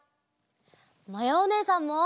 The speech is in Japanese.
まやおねえさんも！